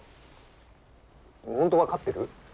本当分かってる？